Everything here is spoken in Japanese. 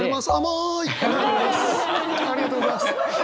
ありがとうございます。